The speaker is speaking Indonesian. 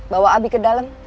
bawa abi ke dalam